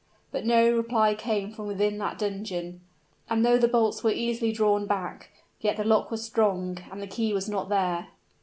But no reply came from within that dungeon; and though the bolts were easily drawn back, yet the lock was strong, and the key was not there!